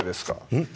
うん？